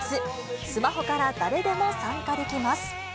スマホから誰でも参加できます。